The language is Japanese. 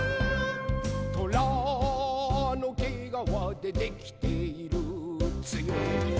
「とらのけがわでできているつよいぞ」